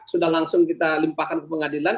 sudah langsung kita limpahkan ke pengadilan